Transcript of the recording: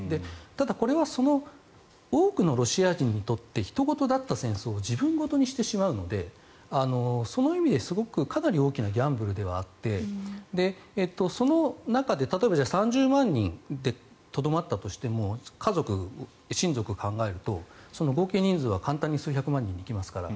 ただ、これはその多くのロシア人にとってひと事だった戦争を自分事にしてしまうのでその意味で、かなり大きなギャンブルではあってその中で、例えば３０万人でとどまったとしても家族、親族を考えると合計人数は簡単に数百万人に行きますから。